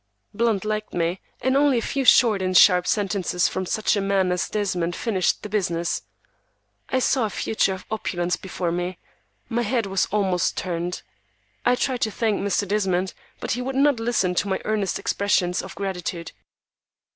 Blunt liked me, and only a few short and sharp sentences from such a man as Desmond finished the business. I saw a future of opulence before me. My head was almost turned. I tried to thank Mr. Desmond, but he would not listen to my earnest expressions of gratitude.